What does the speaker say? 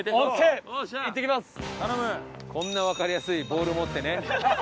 こんなわかりやすいボール持ってね。